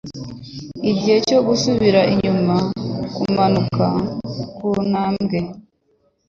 Igihe cyo gusubira inyuma no kumanuka kuntambwe,